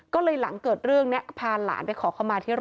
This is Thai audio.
ก็เลยหลังเกิดเรื่องนี้